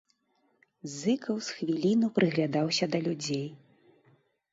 Зыкаў з хвіліну прыглядаўся да людзей.